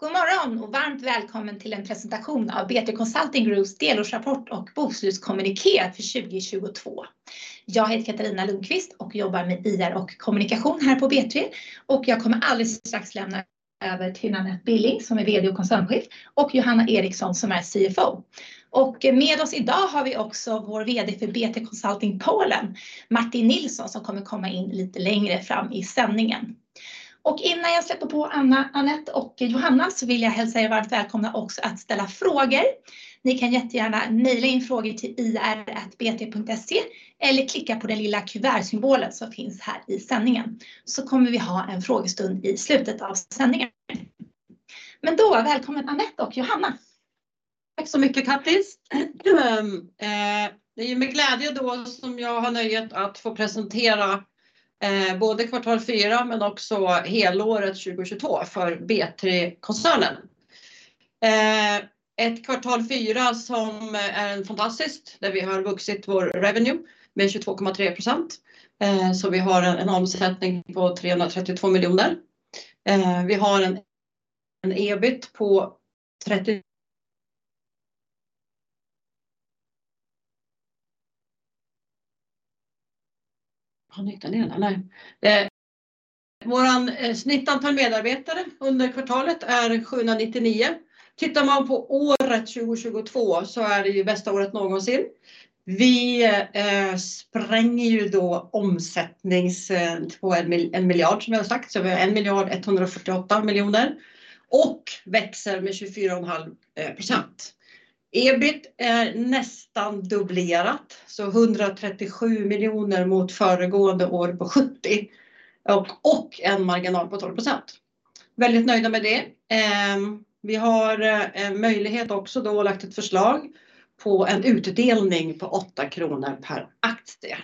God morgon och varmt välkommen till en presentation av B3 Consulting Groups delårsrapport och bokslutskommuniké för 2022. Jag heter Katarina Lundqvist och jobbar med IR och kommunikation här på B3. Jag kommer alldeles strax lämna över till Anette Billing som är VD och Koncernchef och Johanna Eriksson som är CFO. Med oss i dag har vi också vår VD för B3 Consulting Poland, Martin Nilsson, som kommer komma in lite längre fram i sändningen. Innan jag släpper på Anette och Johanna så vill jag hälsa er varmt välkomna också att ställa frågor. Ni kan jättegärna mejla in frågor till ir@b3.se eller klicka på det lilla kuvertsymbolen som finns här i sändningen. Kommer vi ha en frågestund i slutet av sändningen. Då, välkommen Anette och Johanna. Tack så mycket Kattis. Det är ju med glädje då som jag har nöjet att få presentera både Q4 men också helåret 2022 för B3-koncernen. Ett Q4 som är fantastiskt, där vi har vuxit vår revenue med 22.3%. Vi har en omsättning på 332 million. Vi har en EBIT. Var den inte ner där, nej. Våran snittantal medarbetare under kvartalet är 799. Tittar man på året 2022 så är det ju bästa året någonsin. Vi spränger ju då omsättnings på 1 billion, som jag har sagt. Vi har 1,148 million och växer med 24.5%, EBIT är nästan dubblerat, 137 million mot föregående år på 70 million och en marginal på 12%. Väldigt nöjda med det. Vi har en möjlighet också då att lagt ett förslag på en utdelning på SEK 8 per aktie.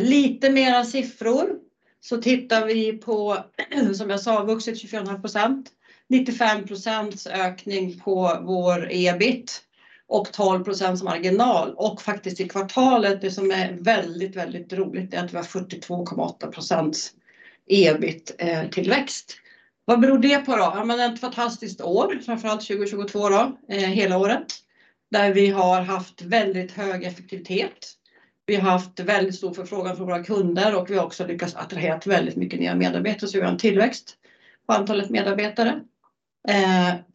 Lite mer siffror. Tittar vi på, som jag sa, vuxit 24.5%, 95% ökning på vår EBIT och 12% marginal och faktiskt i kvartalet, det som är väldigt roligt, det är att vi har 42.8% EBIT-tillväxt. Vad beror det på då? Ett fantastiskt år, framför allt 2022 då, hela året. Där vi har haft väldigt hög effektivitet. Vi har haft väldigt stor förfrågan från våra kunder och vi har också lyckats attraherat väldigt mycket nya medarbetare. Vi har en tillväxt på antalet medarbetare.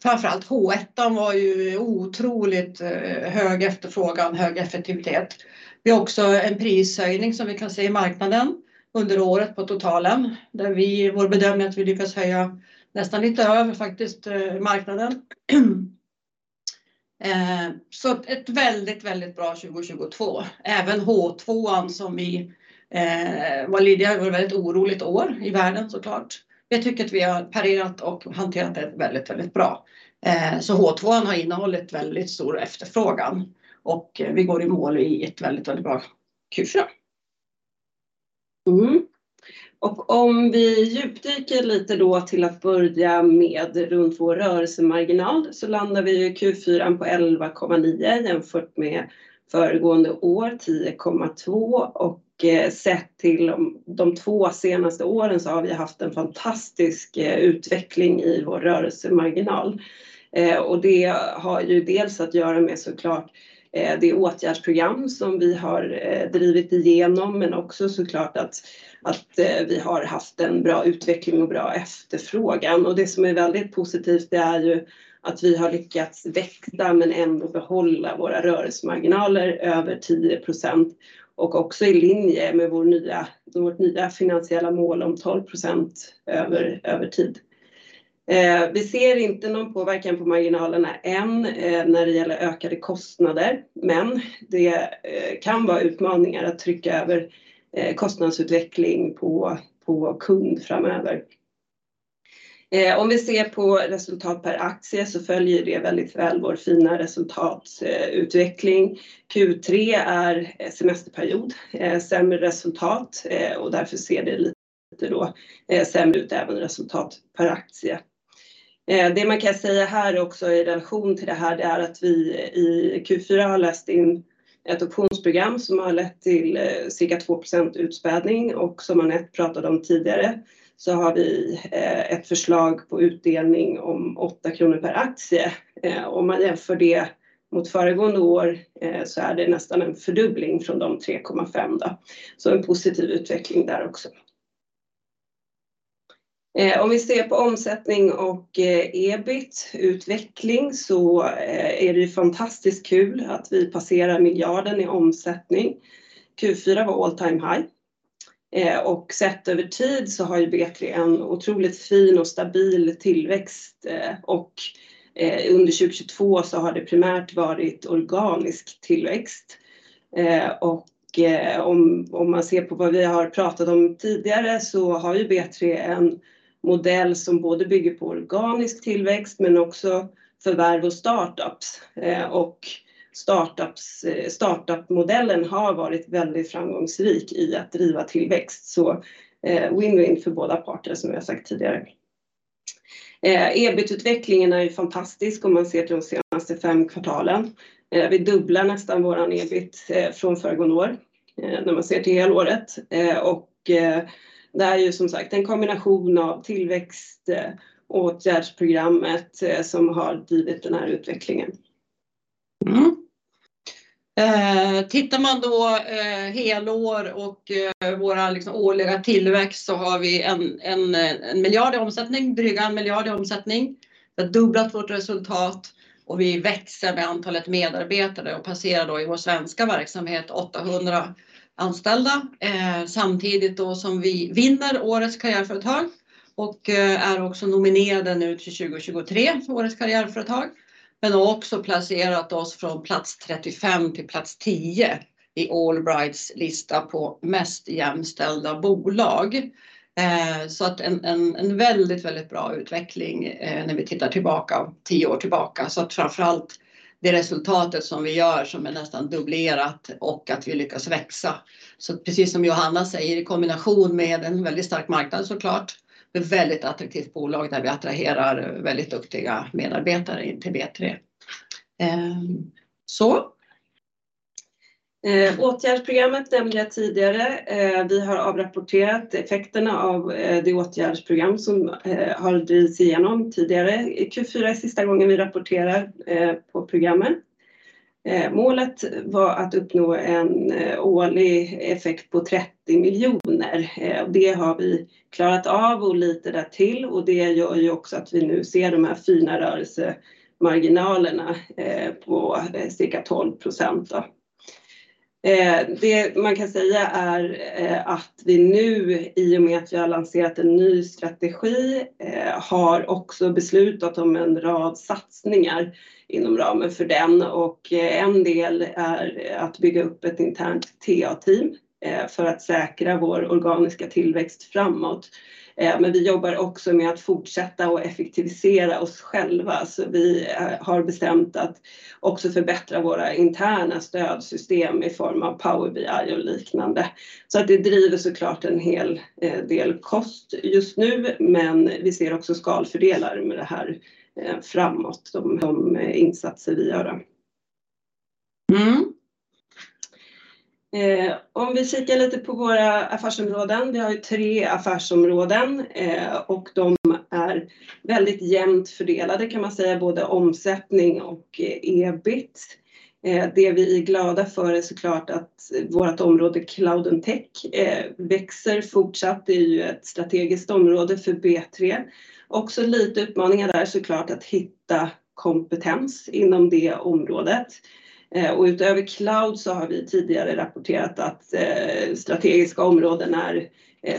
Framför allt H1 var ju otroligt hög efterfrågan, hög effektivitet. Vi har också en prishöjning som vi kan se i marknaden under året på totalen, där vi i vår bedömning att vi lyckas höja nästan lite över faktiskt marknaden. Ett väldigt bra 2022. Även H2 som vi var lidiga med, var ett väldigt oroligt år i världen så klart. Jag tycker att vi har parerat och hanterat det väldigt bra. H2 har innehållit väldigt stor efterfrågan och vi går i mål i ett väldigt bra Q4. Om vi djupdyker lite då till att börja med runt vår rörelsemarginal, så landar vi Q4 på 11.9% jämfört med föregående år 10.2%, och sett till de two senaste åren så har vi haft en fantastisk utveckling i vår rörelsemarginal. Det har ju dels att göra med så klart det åtgärdsprogram som vi har drivit igenom, men också så klart att vi har haft en bra utveckling och bra efterfrågan. Det som är väldigt positivt, det är ju att vi har lyckats växa men ändå behålla våra rörelsemarginaler över 10% och också i linje med vår nya, vårt nya finansiella mål om 12% över tid. Vi ser inte någon påverkan på marginalerna än när det gäller ökade kostnader, men det kan vara utmaningar att trycka över kostnadsutveckling på kund framöver. Om vi ser på resultat per aktie så följer det väldigt väl vår fina resultatutveckling. Q3 är semesterperiod, sämre resultat och därför ser det lite då sämre ut även resultat per aktie. Det man kan säga här också i relation till det här, det är att vi i Q4 har läst in ett optionsprogram som har lett till cirka 2% utspädning och som Anette pratade om tidigare, så har vi ett förslag på utdelning om 8 kronor per aktie. Jämför det mot föregående år är det nästan en fördubbling från de 3.5 då. En positiv utveckling där också. Om vi ser på omsättning och EBIT-utveckling är det ju fantastiskt kul att vi passerar 1 billion i omsättning. Q4 var all-time high. Sett över tid har ju B3 en otroligt fin och stabil tillväxt. Under 2022 har det primärt varit organisk tillväxt. Om man ser på vad vi har pratat om tidigare har ju B3 en modell som både bygger på organisk tillväxt men också förvärv och startups. Startups, startup-modellen har varit väldigt framgångsrik i att driva tillväxt. Win-win för båda parter som jag sagt tidigare. EBIT-utvecklingen är ju fantastisk om man ser till de senaste 5 kvartalen. Vi dubblar nästan vår EBIT från föregående år. När man ser till helåret. Det är ju som sagt en kombination av tillväxtåtgärdsprogrammet som har drivit den här utvecklingen. Tittar man då helår och våran liksom årliga tillväxt så har vi 1 miljard SEK i omsättning, dryga 1 miljard SEK i omsättning. Vi har dubblat vårt resultat och vi växer med antalet medarbetare och passerar då i vår svenska verksamhet 800 anställda. Samtidigt då som vi vinner Årets Karriärföretag och är också nominerade nu till 2023 för Årets Karriärföretag. Också placerat oss från plats 35 till plats 10 i AllBrights lista på mest jämställda bolag. Så att en väldigt bra utveckling när vi tittar tillbaka, 10 år tillbaka. Så att framför allt det resultatet som vi gör som är nästan dubblerat och att vi lyckas växa. Precis som Johanna säger, i kombination med en väldigt stark marknad så klart. Ett väldigt attraktivt bolag där vi attraherar väldigt duktiga medarbetare in till B3. Så. Åtgärdsprogrammet nämnde jag tidigare. Vi har avrapporterat effekterna av det åtgärdsprogram som har drivits igenom tidigare. Q4 är sista gången vi rapporterar på programmen. Målet var att uppnå en årlig effekt på 30 million. Det har vi klarat av och lite där till och det gör ju också att vi nu ser de här fina rörelsemarginalerna på cirka 12% då. Det man kan säga är att vi nu i och med att vi har lanserat en ny strategi har också beslutat om en rad satsningar inom ramen för den. En del är att bygga upp ett internt TA-team för att säkra vår organiska tillväxt framåt. Vi jobbar också med att fortsätta och effektivisera oss själva. Vi har bestämt att också förbättra våra interna stödsystem i form av Power BI och liknande. Att det driver så klart en hel del kost just nu, men vi ser också skalfördelar med det här framåt de insatser vi gör då. Mm. Om vi kikar lite på våra affärsområden. Vi har ju three affärsområden och de är väldigt jämnt fördelade kan man säga, både omsättning och EBIT. Det vi är glada för är så klart att vårt område Cloud och Tech växer fortsatt. Det är ju ett strategiskt område för B3. Också lite utmaningar där så klart att hitta kompetens inom det området. Utöver Cloud så har vi tidigare rapporterat att strategiska områden är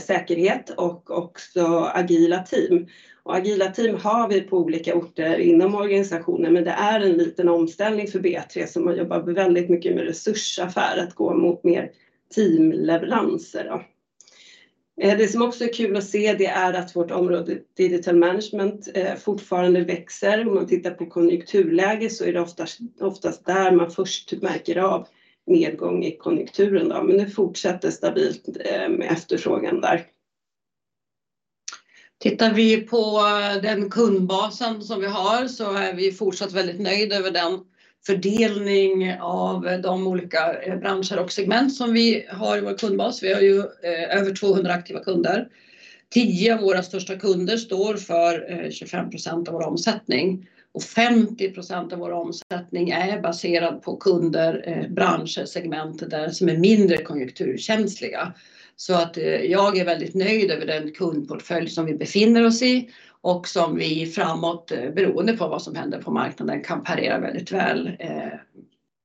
säkerhet och också agila team. Agila team har vi på olika orter inom organisationen, men det är en liten omställning för B3 som har jobbat väldigt mycket med resursaffär att gå mot mer teamleveranser då. Det som också är kul att se, det är att vårt område Digital Management fortfarande växer. Om man tittar på konjunkturläge så är det oftast där man först märker av nedgång i konjunkturen då. Det fortsätter stabilt med efterfrågan där. Tittar vi på den kundbasen som vi har så är vi fortsatt väldigt nöjd över den fördelning av de olika branscher och segment som vi har i vår kundbas. Vi har ju över 200 aktiva kunder. 10 av våra största kunder står för 25% av vår omsättning. 50% av vår omsättning är baserad på kunder, branscher, segment där som är mindre konjunkturkänsliga. Jag är väldigt nöjd över den kundportfölj som vi befinner oss i och som vi framåt, beroende på vad som händer på marknaden, kan parera väldigt väl...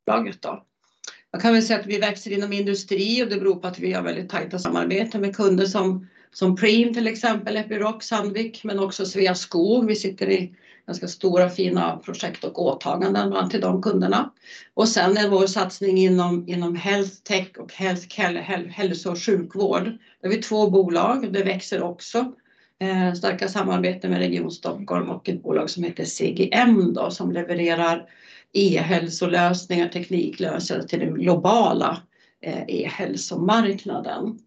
flagget då. Jag kan väl säga att vi växer inom industri och det beror på att vi har väldigt tajta samarbeten med kunder som Preem, till exempel, Epiroc, Sandvik, men också Sveaskog. Vi sitter i ganska stora fina projekt och åtaganden bland till de kunderna. Sen är vår satsning inom Health Tech och hälso-sjukvård. Där har vi två bolag, det växer också. Starka samarbeten med Region Stockholm och ett bolag som heter CGM då, som levererar e-hälsolösningar, tekniklösningar till den globala e-hälsomarknaden.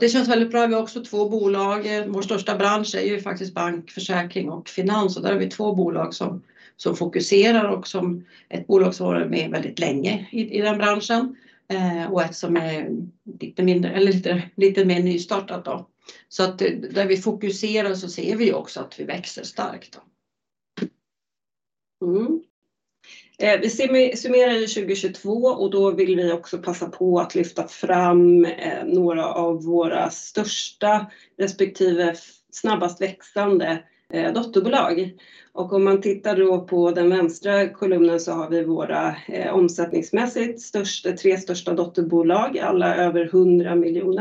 Det känns väldigt bra. Vi har också två bolag. Vår största bransch är ju faktiskt bank, försäkring och finans. Där har vi två bolag som fokuserar och som ett bolag som har varit med väldigt länge i den branschen. Ett som är lite mindre eller lite mer nystartat då. Där vi fokuserar så ser vi också att vi växer starkt då. Vi summerar ju 2022 och då vill vi också passa på att lyfta fram några av våra största respektive snabbast växande dotterbolag. Om man tittar då på den vänstra kolumnen så har vi våra omsättningsmässigt störste, 3 största dotterbolag, alla över 100 million.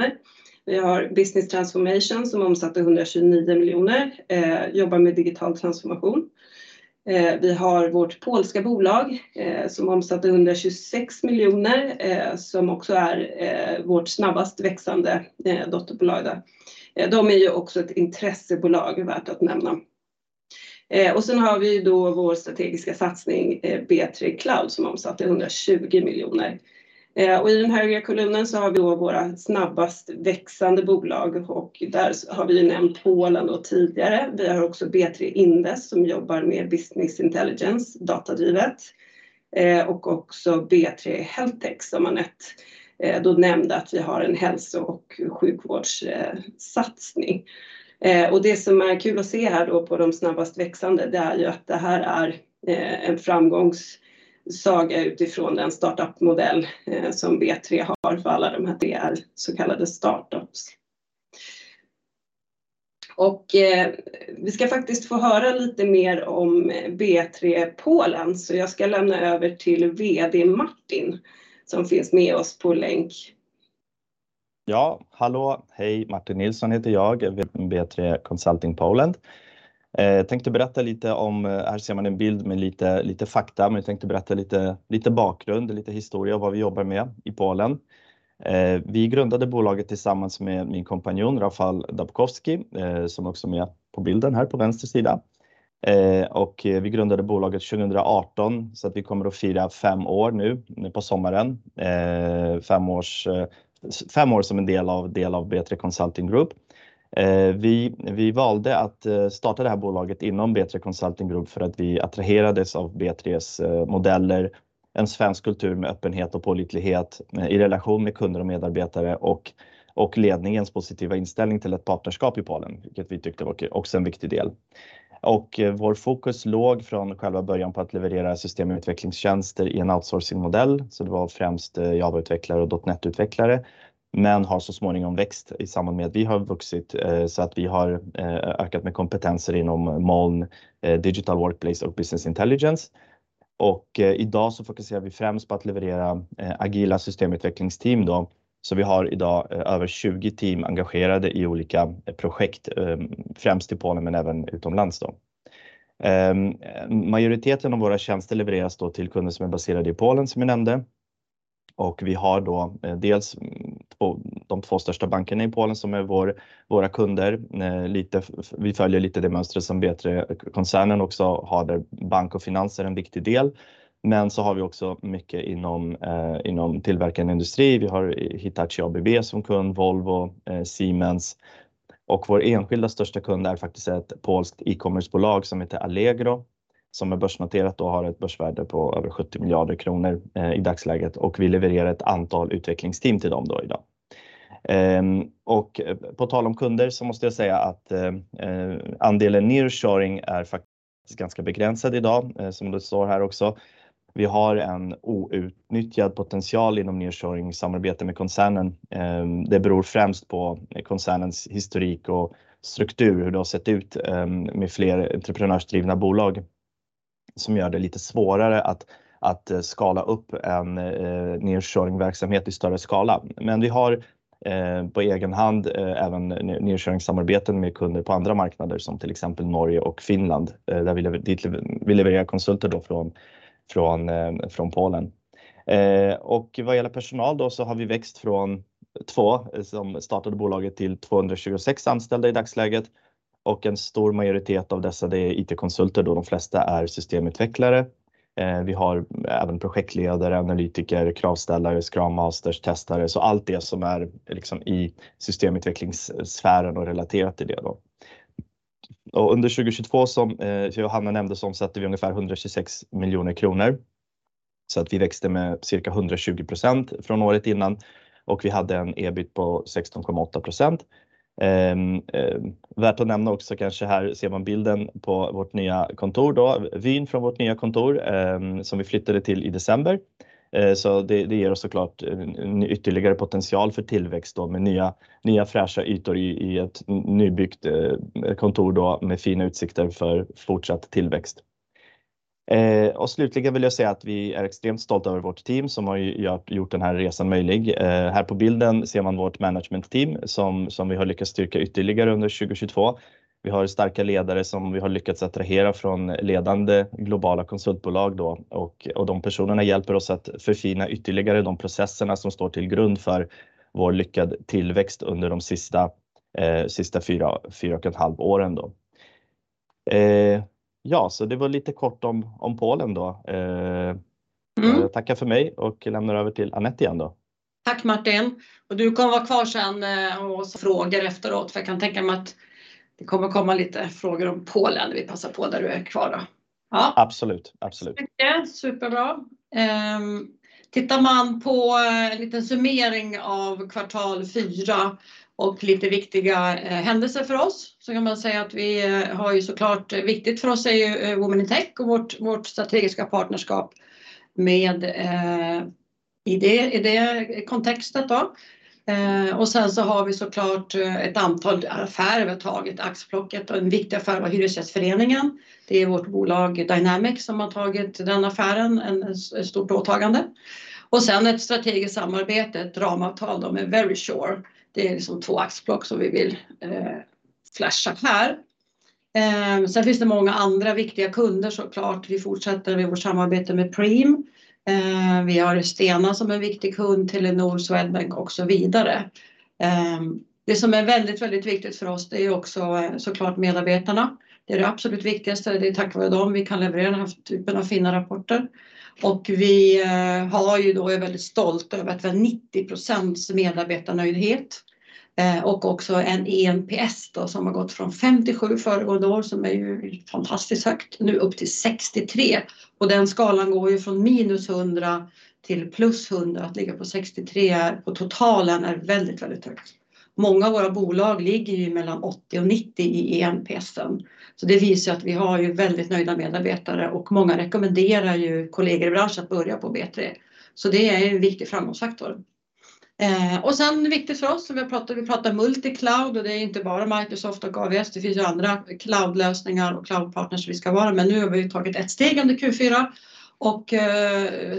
Vi har Business Transformation som omsatte 129 million, jobbar med digital transformation. Vi har vårt polska bolag som omsatte 126 million, som också är vårt snabbast växande dotterbolag där. De är ju också ett intressebolag värt att nämna. Sen har vi då vår strategiska satsning B3 Cloud som omsatte 120 million. I den högra kolumnen så har vi då våra snabbast växande bolag och där har vi nämnt Polen då tidigare. Vi har också B3 Indes som jobbar med business intelligence datadrivet och också B3 HealthTech som Anette då nämnde att vi har en hälso- och sjukvårdssatsning. Det som är kul att se här då på de snabbast växande, det är ju att det här är en framgångssaga utifrån den startup-modell som B3 har för alla de här DR, så kallade startups. Vi ska faktiskt få höra lite mer om B3 Polen. Jag ska lämna över till VD Martin som finns med oss på länk. Hallå, hej Martin Nilsson heter jag, VD B3 Consulting Poland. Tänkte berätta lite om, här ser man en bild med lite fakta, jag tänkte berätta lite bakgrund, lite historia, vad vi jobbar med i Polen. Vi grundade bolaget tillsammans med min kompanjon Rafal Dabkowski, som också är med på bilden här på vänster sida. Vi grundade bolaget 2018 så att vi kommer att fira fem år nu på sommaren. Fem år som en del av B3 Consulting Group. Vi valde att starta det här bolaget inom B3 Consulting Group för att vi attraherades av B3:s modeller. En svensk kultur med öppenhet och pålitlighet i relation med kunder och medarbetare och ledningens positiva inställning till ett partnerskap i Polen, vilket vi tyckte var också en viktig del. Vår fokus låg från själva början på att leverera systemutvecklingstjänster i en outsourcingmodell. Det var främst Java-utvecklare och .NET-utvecklare, men har så småningom växt i samband med att vi har vuxit så att vi har ökat med kompetenser inom moln, digital workplace och business intelligence. I dag så fokuserar vi främst på att leverera agila systemutvecklingsteam då. Vi har i dag över 20 team engagerade i olika projekt, främst i Polen men även utomlands då. Majoriteten av våra tjänster levereras då till kunder som är baserade i Polen som jag nämnde. Vi har då dels de två största bankerna i Polen som är våra kunder. Vi följer lite det mönstret som B3-koncernen också har där bank och finans är en viktig del. Så har vi också mycket inom inom tillverkande industri. Vi har Hitachi, ABB som kund, Volvo, Siemens. Vår enskilda största kund är faktiskt ett polskt e-commerce-bolag som heter Allegro, som är börsnoterat och har ett börsvärde på över 70 billion kronor i dagsläget och vi levererar ett antal utvecklingsteam till dem då today. På tal om kunder så måste jag säga att andelen nearshoring är faktiskt ganska begränsad today som det står här också. Vi har en outnyttjad potential inom nearshoring i samarbete med koncernen. Det beror främst på koncernens historik och struktur, hur det har sett ut med fler entreprenörsdrivna bolag som gör det lite svårare att skala upp en nearshoring-verksamhet i större skala. Vi har på egen hand även nearshoringsamarbeten med kunder på andra marknader, som till exempel Norge och Finland. Vi levererar konsulter då från Poland. Vad gäller personal då så har vi växt från två som startade bolaget till 226 anställda i dagsläget och en stor majoritet av dessa, det är IT consultants då de flesta är systemutvecklare. Vi har även projektledare, analytiker, kravställare, Scrum Masters, testare. Allt det som är liksom i systemutvecklingssfären och relaterat till det då. Under 2022, som Johanna nämnde, omsatte vi ungefär 126 million kronor. Vi växte med cirka 120% från året innan och vi hade en EBIT på 16.8%. Värt att nämna också, kanske här ser man bilden på vårt nya kontor då, vyn från vårt nya kontor som vi flyttade till i december. Det ger oss så klart ytterligare potential för tillväxt då med nya fräscha ytor i ett nybyggt kontor då med fina utsikter för fortsatt tillväxt. Slutligen vill jag säga att vi är extremt stolta över vårt team som har gjort den här resan möjlig. Här på bilden ser man vårt management team som vi har lyckats styrka ytterligare under 2022. Vi har starka ledare som vi har lyckats attrahera från ledande globala konsultbolag då och de personerna hjälper oss att förfina ytterligare de processerna som står till grund för vår lyckad tillväxt under de sista 4 och ett halv åren då. Det var lite kort om Poland då. Jag tackar för mig och lämnar över till Anette igen då. Tack Martin, och du kan vara kvar sedan och svara på frågor efteråt för jag kan tänka mig att det kommer komma lite frågor om Poland. Vi passar på där du är kvar då. Ja. Absolut, absolut. Tack så mycket, superbra. Tittar man på en liten summering av Q4 och lite viktiga händelser för oss. Kan man säga att vi har ju så klart, viktigt för oss är ju Women in Tech och vårt strategiska partnerskap I det kontextet då. Har vi så klart ett antal affärer vi har tagit, axplocket, och en viktig affär var Hyresgästföreningen. Det är vårt bolag Dynamic som har tagit den affären, ett stort åtagande. Ett strategiskt samarbete, ett ramavtal då med Verisure. Det är liksom två axplock som vi vill flasha här. Finns det många andra viktiga kunder såklart. Vi fortsätter med vårt samarbete med Preem. Vi har Stena som en viktig kund, Telenor, Swedbank och så vidare. Det som är väldigt viktigt för oss det är också såklart medarbetarna. Det är det absolut viktigaste. Det är tack vare dem vi kan leverera den här typen av fina rapporter. Vi har ju då, är väldigt stolt över att vi har 90% medarbetarnöjdhet och också en eNPS då som har gått från 57 föregående år, som är ju fantastiskt högt, nu upp till 63. Den skalan går ju från -100 till +100. Att ligga på 63 på totalen är väldigt högt. Många av våra bolag ligger ju mellan 80 and 90 i eNPS:en. Det visar ju att vi har ju väldigt nöjda medarbetare och många rekommenderar ju kollegor i bransch att börja på B3. Det är en viktig framgångsfaktor. Viktigt för oss, vi pratar multicloud och det är inte bara Microsoft och AWS. Det finns ju andra cloudlösningar och cloudpartners vi ska vara med. Nu har vi tagit ett steg under Q4 och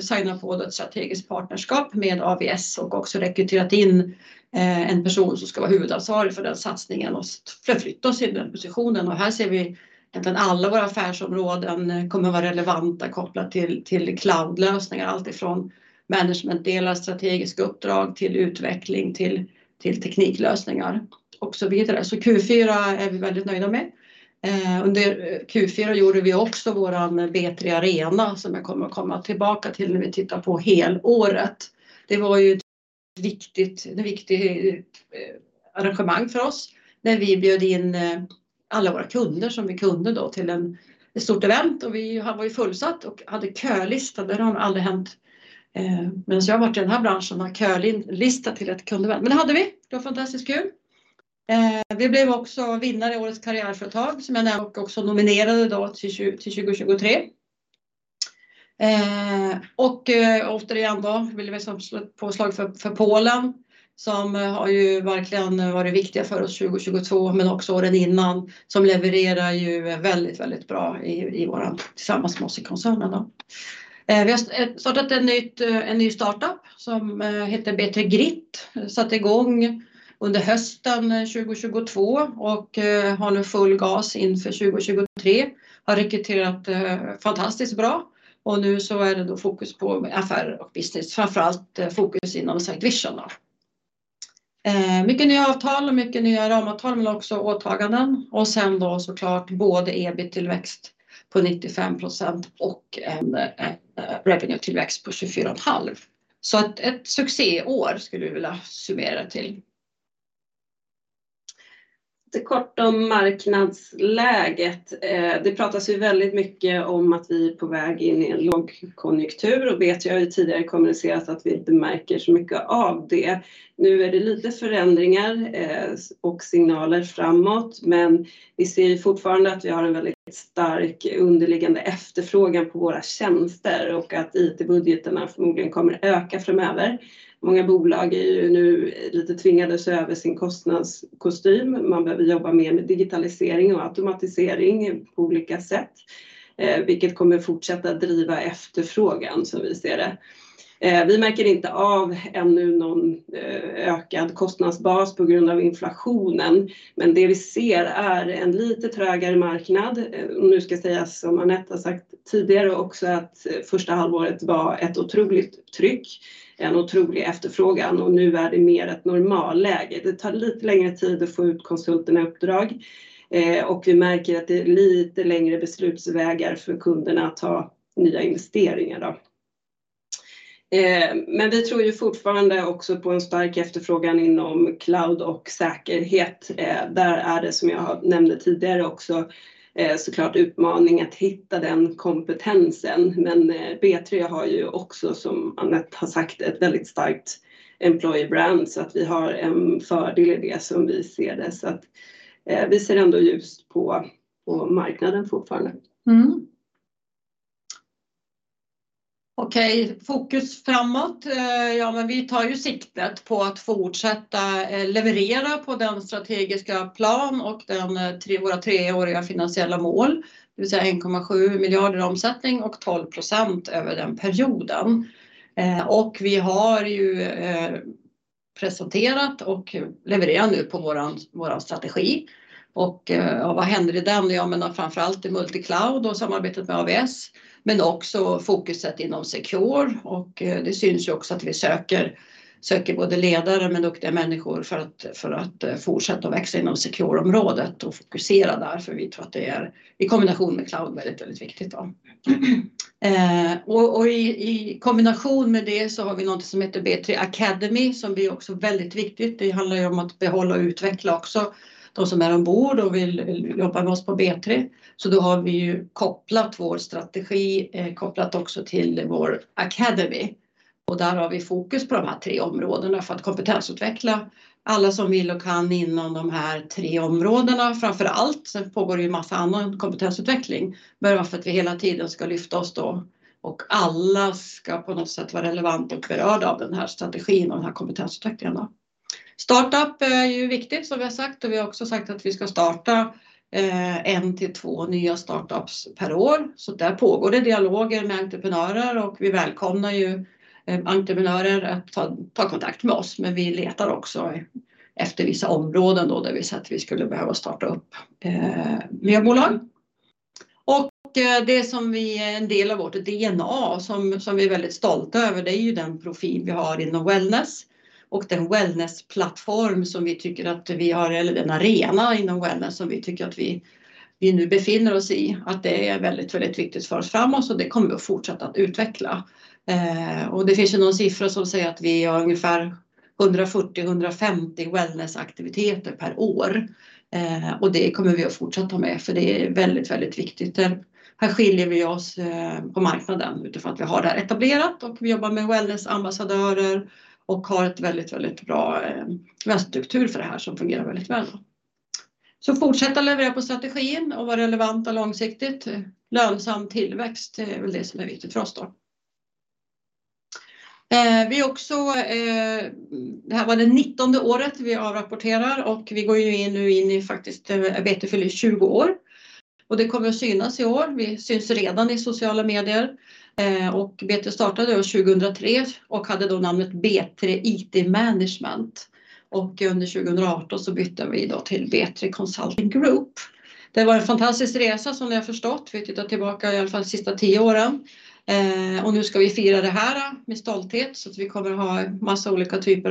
signat på ett strategiskt partnerskap med AWS och också rekryterat in en person som ska vara huvudansvarig för den satsningen och förflytta oss i den positionen. Här ser vi egentligen alla våra affärsområden kommer att vara relevanta kopplat till cloudlösningar, allt ifrån managementdelar, strategiska uppdrag till utveckling, till tekniklösningar och så vidare. Q4 är vi väldigt nöjda med. Under Q4 gjorde vi också våran B3 Arena som jag kommer att komma tillbaka till när vi tittar på helåret. Det var ju ett viktigt arrangemang för oss när vi bjöd in alla våra kunder som vi kunde då till en, ett stort event och Det var ju fullsatt och hade kölista. Det har nog aldrig hänt medan jag har varit i den här branschen att ha kölista till ett kundevent. Det hade vi. Det var fantastiskt kul. Vi blev också vinnare i Årets Karriärföretag som jag nämnt och också nominerade då till 2023. Återigen då vill vi slå ett slag för Polen som har ju verkligen varit viktiga för oss 2022, men också åren innan, som levererar ju väldigt bra i tillsammans med oss i koncernen då. Vi har startat en ny startup som heter B3 Grit. Satte i gång under hösten 2022 och har nu full gas inför 2023. Har rekryterat fantastiskt bra och nu så är det då fokus på affärer och business, framför allt fokus inom Sitevision då. Mycket nya avtal och mycket nya ramavtal men också åtaganden. Sen då så klart både EBIT-tillväxt på 95% och en revenue-tillväxt på 24.5%. Ett succéår skulle vi vilja summera till. Lite kort om marknadsläget. Det pratas ju väldigt mycket om att vi är på väg in i en lågkonjunktur och B3 har ju tidigare kommunicerat att vi inte märker så mycket av det. Nu är det lite förändringar och signaler framåt, men vi ser fortfarande att vi har en väldigt stark underliggande efterfrågan på våra tjänster och att IT-budgetarna förmodligen kommer öka framöver. Många bolag är ju nu lite tvingade att se över sin kostnadskostym. Man behöver jobba mer med digitalisering och automatisering på olika sätt, vilket kommer fortsätta driva efterfrågan som vi ser det. Vi märker inte av ännu någon ökad kostnadsbas på grund av inflationen, men det vi ser är en lite trögare marknad. Nu ska jag säga, som Anette har sagt tidigare också, att första halvåret var ett otroligt tryck, en otrolig efterfrågan och nu är det mer ett normalläge. Det tar lite längre tid att få ut konsulterna i uppdrag, och vi märker att det är lite längre beslutsvägar för kunderna att ta nya investeringar då. Vi tror ju fortfarande också på en stark efterfrågan inom cloud och säkerhet. Där är det som jag nämnde tidigare också, så klart utmaning att hitta den kompetensen. B3 har ju också, som Anette har sagt, ett väldigt starkt employer brand så att vi har en fördel i det som vi ser det. Vi ser ändå ljust på marknaden fortfarande. Mm. Okej, fokus framåt. Ja, men vi tar ju siktet på att fortsätta leverera på den strategiska plan och våra treåriga finansiella mål. Det vill säga 1.7 billion i omsättning och 12% över den perioden. Vi har ju presenterat och levererar nu på våran strategi. Ja, vad händer i den? Ja, men framför allt i multicloud och samarbetet med AWS, men också fokuset inom Secure. Det syns ju också att vi söker både ledare men duktiga människor för att fortsätta växa inom Secure-området och fokusera där för vi tror att det är i kombination med cloud väldigt viktigt då. I kombination med det så har vi något som heter B3 Academy som blir också väldigt viktigt. Det handlar ju om att behålla och utveckla också de som är ombord och vill jobba med oss på B3. Då har vi ju kopplat vår strategi, kopplat också till vår Academy och där har vi fokus på de här tre områdena för att kompetensutveckla alla som vill och kan inom de här tre områdena, framför allt. Sen pågår det ju en massa annan kompetensutveckling. Bara för att vi hela tiden ska lyfta oss då och alla ska på något sätt vara relevant och berörda av den här strategin och den här kompetensutvecklingen då. Startup är ju viktigt som vi har sagt och vi har också sagt att vi ska starta en till två nya startups per år. Där pågår det dialoger med entreprenörer och vi välkomnar ju entreprenörer att ta kontakt med oss. Vi letar också efter vissa områden då, det vill säga att vi skulle behöva starta upp mer bolag. Det som vi är en del av vårt DNA som vi är väldigt stolta över, det är ju den profil vi har inom wellness och den wellness-plattform som vi tycker att vi har eller den arena inom wellness som vi tycker att vi nu befinner oss i. Det är väldigt viktigt för oss framåt och det kommer vi att fortsätta att utveckla. Det finns ju någon siffra som säger att vi har ungefär 140-150 wellness-aktiviteter per år. Det kommer vi att fortsätta med för det är väldigt viktigt. Här skiljer vi oss på marknaden utifrån att vi har det här etablerat och vi jobbar med wellness-ambassadörer och har ett väldigt bra vägstruktur för det här som fungerar väldigt väl. Fortsätta leverera på strategin och vara relevant och långsiktigt. Lönsam tillväxt, det är väl det som är viktigt för oss då. Vi är också... Det här var det 19th året vi avrapporterar och vi går ju in nu in i faktiskt B3 fyller 20 år och det kommer att synas i år. Vi syns redan i sociala medier. B3 startade 2003 och hade då namnet B3IT Management. Under 2018 så bytte vi då till B3 Consulting Group. Det har varit en fantastisk resa som ni har förstått. Vi tittar tillbaka i alla fall de sista 10 åren. Nu ska vi fira det här med stolthet. Vi kommer att ha en massa olika typer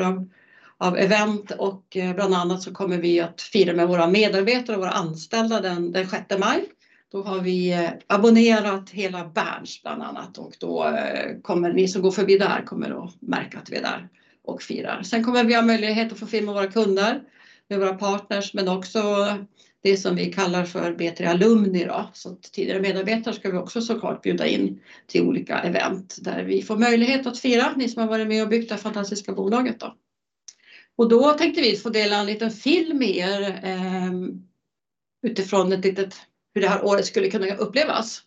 av event och bland annat kommer vi att fira med våra medarbetare och våra anställda den sixth of May. Vi har abonnerat hela Berns bland annat och då kommer ni som går förbi där kommer att märka att vi är där och firar. Vi kommer ha möjlighet att få fira med våra kunder, med våra partners, men också det som vi kallar för B3 alumni då. Tidigare medarbetare ska vi också så klart bjuda in till olika event där vi får möjlighet att fira ni som har varit med och byggt det här fantastiska bolaget då. Vi tänkte vi få dela en liten film med er utifrån ett litet hur det här året skulle kunna upplevas.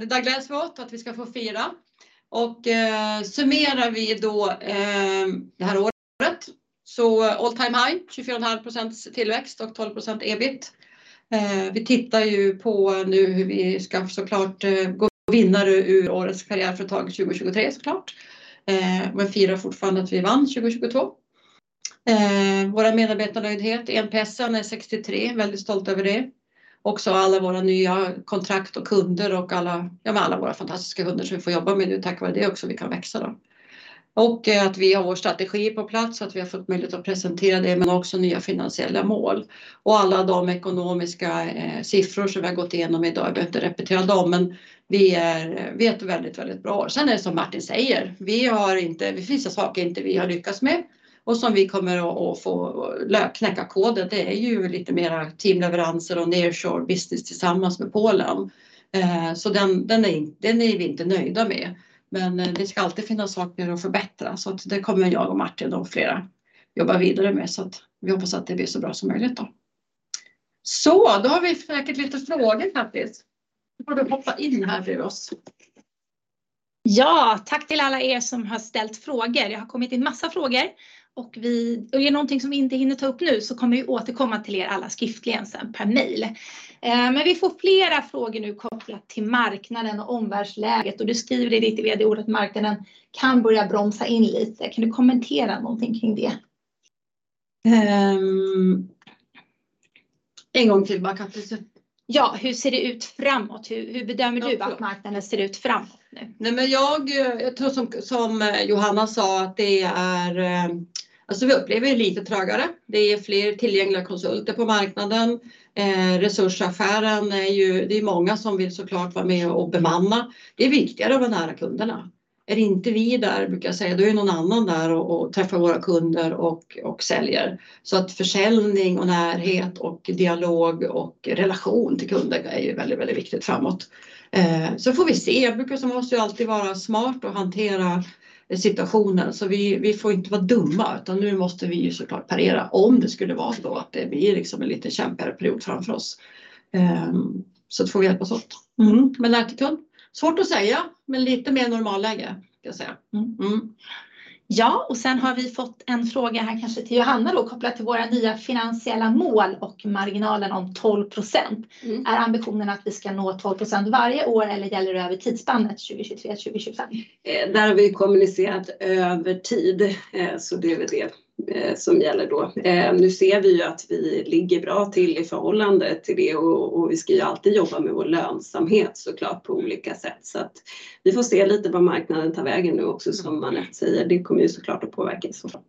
Det där gläds vi åt att vi ska få fira. Summerar vi då det här året så all time high, 24.5% tillväxt och 12% EBIT. Vi tittar ju på nu hur vi ska så klart gå vinnare ur Årets Karriärföretag 2023 så klart. Firar fortfarande att vi vann 2022. Vår medarbetarnöjdhet, NPS:en är 63. Väldigt stolt över det. Alla våra nya kontrakt och kunder och alla, ja men alla våra fantastiska kunder som vi får jobba med nu tack vare det också vi kan växa då. Att vi har vår strategi på plats, att vi har fått möjlighet att presentera det, men också nya finansiella mål. Alla de ekonomiska siffror som vi har gått igenom i dag, jag behöver inte repetera dem, men vi har ett väldigt bra år. Det är som Martin säger, vi har inte, det finns ju saker inte vi har lyckats med och som vi kommer att få knäcka koden. Det är ju lite mera teamleveranser och nearshore business tillsammans med Polen. Den är vi inte nöjda med. Det ska alltid finnas saker att förbättra. Det kommer jag och Martin och flera jobba vidare med. Vi hoppas att det blir så bra som möjligt då. Då har vi säkert lite frågor, Catris. Då får du hoppa in här vid oss. Tack till alla er som har ställt frågor. Det har kommit in massa frågor. Är det någonting som vi inte hinner ta upp nu så kommer vi återkomma till er alla skriftligen sen per mejl. Vi får flera frågor nu kopplat till marknaden och omvärldsläget och du skriver det i ditt VD-ord att marknaden kan börja bromsa in lite. Kan du kommentera någonting kring det? En gång till bara Catris. Ja, hur ser det ut framåt? Hur bedömer du att marknaden ser ut framåt nu? Jag tror som Johanna sa att, alltså, vi upplever det lite trögare. Det är fler tillgängliga konsulter på marknaden. Resursaffären är ju, det är många som vill så klart vara med och bemanna. Det är viktigt att vara nära kunderna. Är det inte vi där brukar jag säga, då är det någon annan där och träffar våra kunder och säljer. Försäljning och närhet och dialog och relation till kunderna är ju väldigt viktigt framåt. Sen får vi se. Vi måste alltid vara smart och hantera situationen. Vi får inte vara dumma, utan nu måste vi ju så klart parera om det skulle vara då att det blir liksom en lite kämpigare period framför oss. Då får vi hjälpas åt. Svårt att säga, men lite mer normalläge skulle jag säga. Har vi fått en fråga här kanske till Johanna då kopplat till våra nya finansiella mål och marginalen om 12%. Är ambitionen att vi ska nå 12% varje år eller gäller det över tidsspannet 2023, 2025? Där har vi kommunicerat över tid. Det är väl det, som gäller då. Nu ser vi ju att vi ligger bra till i förhållande till det och vi ska ju alltid jobba med vår lönsamhet så klart på olika sätt. Att vi får se lite var marknaden tar vägen nu också som man rätt säger. Det kommer ju så klart att påverka i så fall.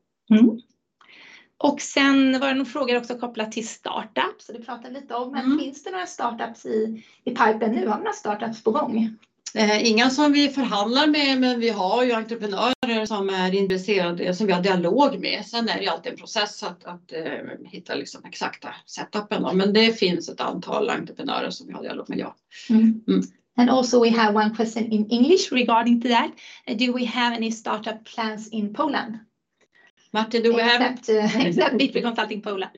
Sen var det nog frågor också kopplat till startups. Det pratade vi lite om. Finns det några startups i pipen nu? Har ni några startups på gång? Inga som vi förhandlar med. Vi har ju entreprenörer som är intresserade, som vi har dialog med. Är det ju alltid en process att hitta liksom exakta set up:en då. Det finns ett antal entreprenörer som vi har dialog med, ja. Also we have one question in English regarding to that. Do we have any startup plans in Poland? Martin, do we have- Except B3 Consulting Poland.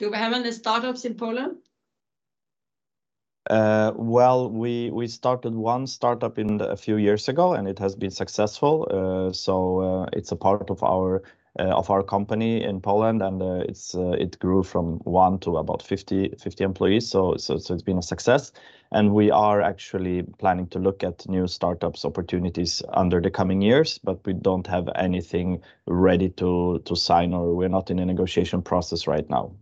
Do we have any startups in Poland? Well, we started one startup in a few years ago and it has been successful. It's a part of our company in Poland and it grew from one to about 50 employees. It's been a success. We are actually planning to look at new startups opportunities under the coming years, but we don't have anything ready to sign or we're not in a negotiation process right now.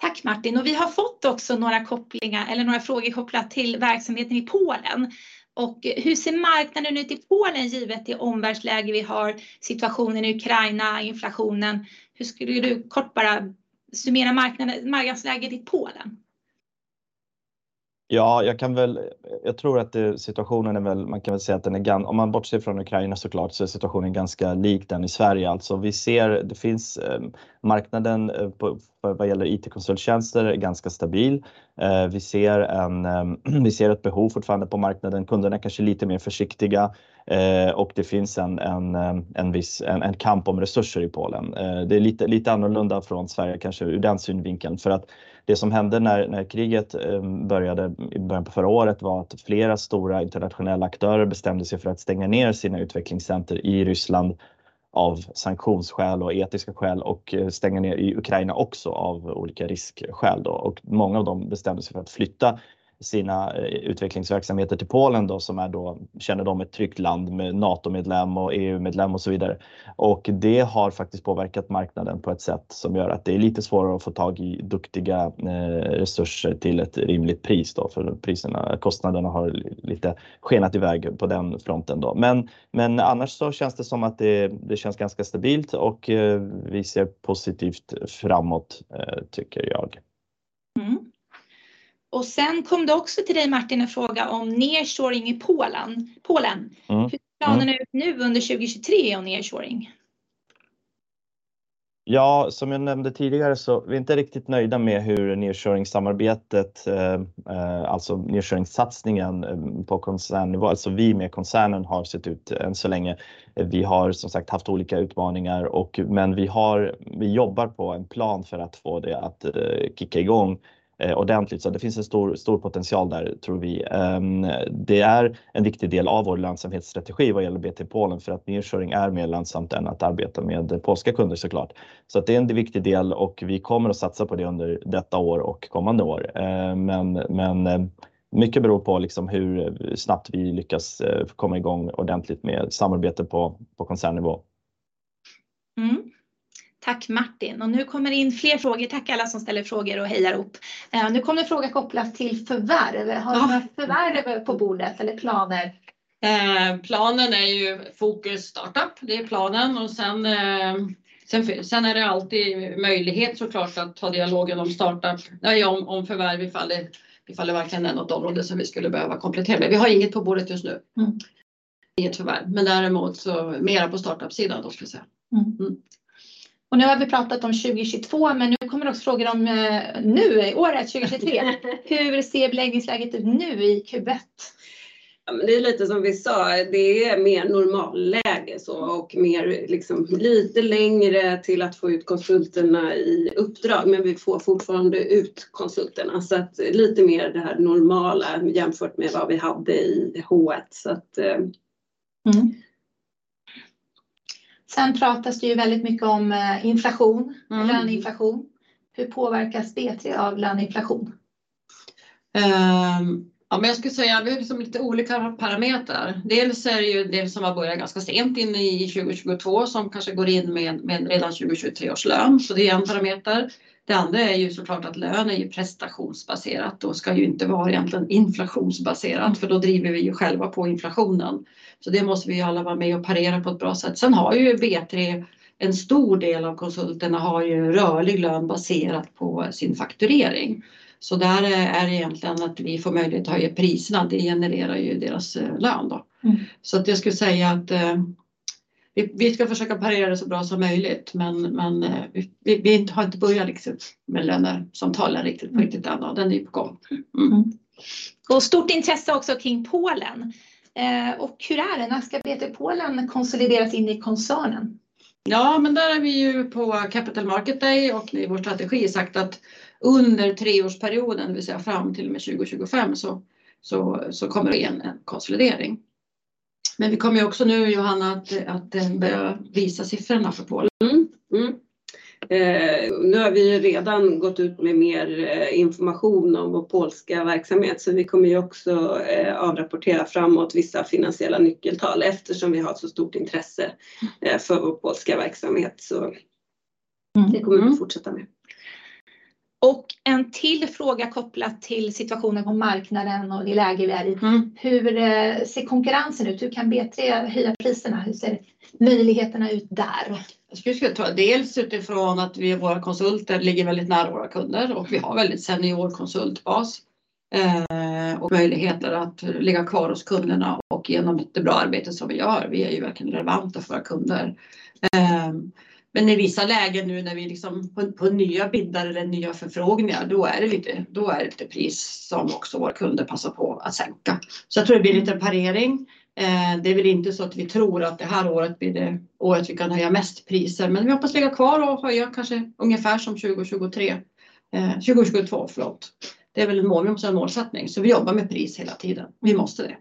Tack Martin. vi har fått också några kopplingar eller några frågor kopplat till verksamheten i Polen. hur ser marknaden ut i Polen givet det omvärldsläge vi har, situationen i Ukraina, inflationen? Hur skulle du kort bara summera marknaden, marknadsläget i Polen? Jag kan väl, jag tror att situationen är väl, man kan väl säga att den är ganska, om man bortser från Ukraina så klart, så är situationen ganska lik den i Sverige alltså. Vi ser det finns marknaden på, vad gäller IT-konsulttjänster är ganska stabil. Vi ser ett behov fortfarande på marknaden. Kunderna är kanske lite mer försiktiga och det finns en viss kamp om resurser i Polen. Det är lite annorlunda från Sverige kanske ur den synvinkeln. För att det som hände när kriget började i början på förra året var att flera stora internationella aktörer bestämde sig för att stänga ner sina utvecklingscenter i Ryssland av sanktionsskäl och etiska skäl och stänga ner i Ukraina också av olika riskskäl då. Många av dem bestämde sig för att flytta sina utvecklingsverksamheter till Poland då som är då, känner dem ett tryggt land med NATO-member och EU-member och så vidare. Det har faktiskt påverkat marknaden på ett sätt som gör att det är lite svårare att få tag i duktiga resurser till ett rimligt pris då för priserna, kostnaderna har lite skenat i väg på den fronten då. Annars så känns det som att det känns ganska stabilt och vi ser positivt framåt tycker jag. Mm. Sen kom det också till dig Martin en fråga om nearshoring i Poland. Poland. Hur ser planerna ut nu under 2023 om nearshoring? Ja, som jag nämnde tidigare så vi är inte riktigt nöjda med hur nearshoringssamarbetet, alltså nearshoringssatsningen på koncernnivå, alltså vi med koncernen har sett ut än så länge. Vi har som sagt haft olika utmaningar och men vi har, vi jobbar på en plan för att få det att kicka i gång ordentligt. Det finns en stor potential där tror vi. Det är en viktig del av vår lönsamhetsstrategi vad gäller B3 Polen för att nearshoring är mer lönsamt än att arbeta med polska kunder så klart. Det är en viktig del och vi kommer att satsa på det under detta år och kommande år. Mycket beror på liksom hur snabbt vi lyckas komma i gång ordentligt med samarbete på koncernnivå. Tack Martin. Nu kommer det in fler frågor. Tack alla som ställer frågor och hejar upp. Nu kom det en fråga kopplat till förvärv. Har ni förvärv på bordet eller planer? Planen är ju fokus startup. Det är planen och sen är det alltid möjlighet så klart att ta dialogen om startup, om förvärv ifall det verkligen är något område som vi skulle behöva komplettera med. Vi har inget på bordet just nu. Inget förvärv, däremot så mera på startupsidan då skulle jag säga. Och nu har vi pratat om 2022, men nu kommer det också frågor om nu, året 2023. Hur ser beläggningsläget ut nu i Q1? Det är lite som vi sa. Det är mer normalläge så och mer liksom lite längre till att få ut konsulterna i uppdrag. Vi får fortfarande ut konsulterna. Lite mer det här normala jämfört med vad vi hade i H1. Pratas det ju väldigt mycket om inflation, löneinflation. Hur påverkas B3 av löneinflation? Jag skulle säga, vi har liksom lite olika parametrar. Dels är det ju de som har börjat ganska sent in i 2022 som kanske går in med redan 2023 års lön. Det är en parameter. Det andra är ju så klart att lön är ju prestationsbaserat. Då ska ju inte vara egentligen inflationsbaserat för då driver vi ju själva på inflationen. Det måste vi alla vara med och parera på ett bra sätt. B3 har ju en stor del av konsulterna har ju rörlig lön baserat på sin fakturering. Där är det egentligen att vi får möjlighet att höja priserna. Det genererar ju deras lön då. Jag skulle säga att vi ska försöka parera det så bra som möjligt, men vi har inte börjat liksom med lönesamtalen riktigt på riktigt än då. Den är på gång. Stort intresse också kring Poland. Hur är det? När ska B3 Poland konsolideras in i koncernen? Där har vi ju på Capital Markets Day och i vår strategi sagt att under treårsperioden, det vill säga fram till och med 2025, kommer det igen en konsolidering. Vi kommer ju också nu Johanna att börja visa siffrorna för Polen. Nu har vi redan gått ut med mer information om vår polska verksamhet. Vi kommer ju också avrapportera framåt vissa finansiella nyckeltal eftersom vi har ett så stort intresse för vår polska verksamhet. Det kommer vi att fortsätta med. En till fråga kopplat till situationen på marknaden och det läge vi är i. Hur ser konkurrensen ut? Hur kan B3 höja priserna? Hur ser möjligheterna ut där? Jag skulle tro dels utifrån att vi och våra konsulter ligger väldigt nära våra kunder och vi har väldigt senior konsultbas. Möjligheter att ligga kvar hos kunderna och genom jättebra arbete som vi gör. Vi är ju verkligen relevanta för våra kunder. I vissa lägen nu när vi liksom på nya bindar eller nya förfrågningar, då är det lite pris som också våra kunder passar på att sänka. Jag tror det blir en liten parering. Det är väl inte så att vi tror att det här året blir det året vi kan höja mest priser. Vi hoppas ligga kvar och höja kanske ungefär som 2023, 2022 förlåt. Det är väl en målsättning, så vi jobbar med pris hela tiden. Vi måste det.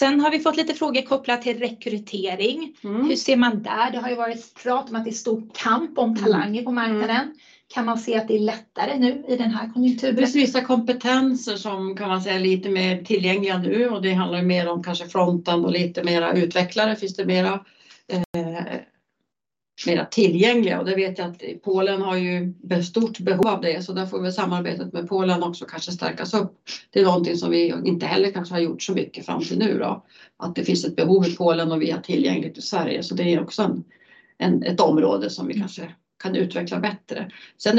Har vi fått lite frågor kopplat till rekrytering. Hur ser man där? Det har ju varit prat om att det är stor kamp om talanger på marknaden. Kan man se att det är lättare nu i den här konjunkturen? Vissa kompetenser som kan man säga är lite mer tillgängliga nu och det handlar ju mer om kanske frontend och lite mera utvecklare finns det mera tillgängliga. Det vet jag att Polen har ju stort behov av det. Där får väl samarbetet med Polen också kanske stärkas upp. Det är någonting som vi inte heller kanske har gjort så mycket fram till nu då. Att det finns ett behov i Polen och vi har tillgängligt i Sverige. Det är också ett område som vi kanske kan utveckla bättre. Det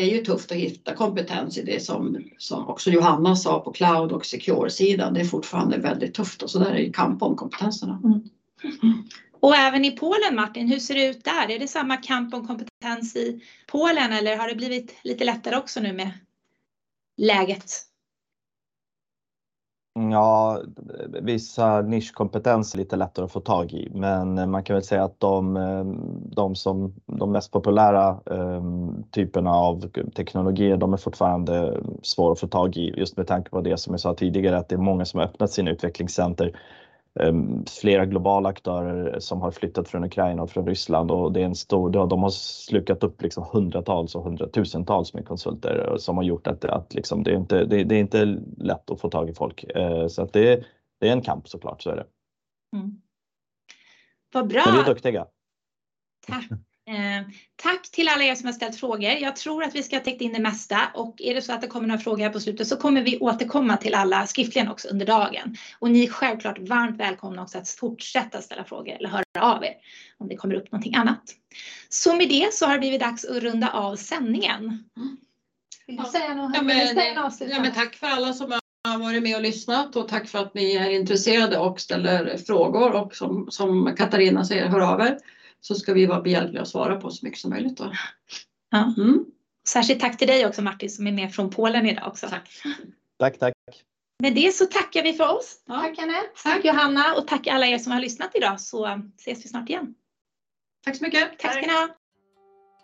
är ju tufft att hitta kompetens i det som också Johanna sa på Cloud- och Secure-sidan. Det är fortfarande väldigt tufft och så där är kamp om kompetenserna. Även i Poland, Martin, hur ser det ut där? Är det samma kamp om kompetens i Poland eller har det blivit lite lättare också nu med läget? Vissa nischkompetens är lite lättare att få tag i, men man kan väl säga att de som de mest populära typerna av teknologier, de är fortfarande svåra att få tag i just med tanke på det som jag sa tidigare, att det är många som har öppnat sina utvecklingscenter. Flera globala aktörer som har flyttat från Ukraina och från Ryssland. De har slukat upp liksom hundratals och hundratusentals med konsulter som har gjort att liksom det är inte lätt att få tag i folk. Det är en kamp så klart, så är det. Vad bra. Vi är duktiga. Tack. Tack till alla er som har ställt frågor. Jag tror att vi ska ha täckt in det mesta och är det så att det kommer några frågor på slutet så kommer vi återkomma till alla skriftligen också under dagen. Ni är självklart varmt välkomna också att fortsätta ställa frågor eller höra av er om det kommer upp någonting annat. Med det så har det blivit dags att runda av sändningen. Vill du säga något? Tack för alla som har varit med och lyssnat och tack för att ni är intresserade och ställer frågor. Som Katarina säger, hör av er. Ska vi vara behjälpliga att svara på så mycket som möjligt då. Särskilt tack till dig också Martin som är med från Polen i dag också. Tack. Tack, tack. Med det tackar vi för oss. Tack Anette. Tack Johanna och tack alla er som har lyssnat i dag så ses vi snart igen. Tack så mycket. Tack, god natt.